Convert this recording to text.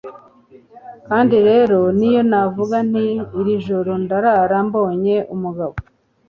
kandi rero, n'iyo navuga nti 'iri joro ndarara mbonye umugabo'